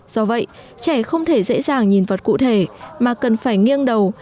do vậy trẻ không thể dễ dàng nhìn vào cụ thể mà cần phải nghiêng đầu